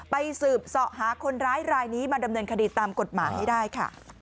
สืบเสาะหาคนร้ายรายนี้มาดำเนินคดีตามกฎหมายให้ได้ค่ะ